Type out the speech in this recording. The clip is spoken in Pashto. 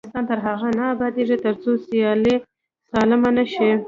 افغانستان تر هغو نه ابادیږي، ترڅو سیالي سالمه نشي.